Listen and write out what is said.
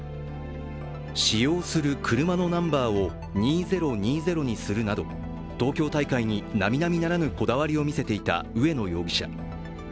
使用する車のナンバーを２０２０にするなど東京大会になみなみならぬこだわりを見せていた植野容疑者。